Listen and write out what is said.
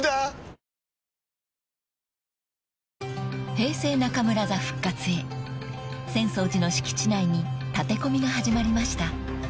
［平成中村座復活へ浅草寺の敷地内に建て込みが始まりました］